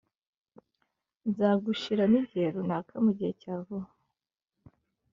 nzagushiramo igihe runaka mugihe cya vuba.